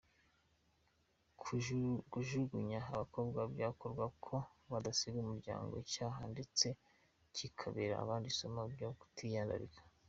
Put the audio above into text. Kujugunya abakobwa byakorwaga ngo badasiga umuryango icyasha ndetse bikabera abandi isomo ryo kutiyandarika.